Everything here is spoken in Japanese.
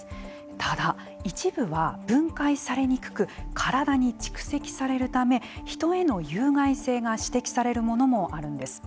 ただ、一部は分解されにくく体に蓄積されるため人への有害性が指摘されるものもあるんです。